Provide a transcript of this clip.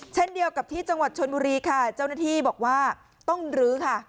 เช่นเดียวกับที่จังหวัดชนบุรีค่ะเจ้าหน้าที่บอกว่าต้องลื้อค่ะ